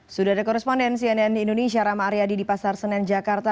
sudah ada koresponden cnn indonesia rama aryadi di pasar senen jakarta